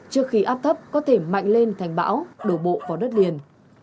trước khi áp thấp có thể mạnh lên thành bão đổ bộ vào đất liền